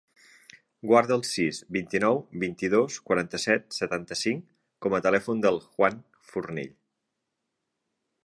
Guarda el sis, vint-i-nou, vint-i-dos, quaranta-set, setanta-cinc com a telèfon del Juan Fornell.